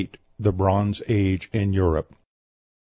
THE BRONZE AGE IN EUROPE.